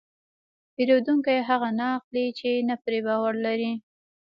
پیرودونکی هغه نه اخلي چې نه پرې باور لري.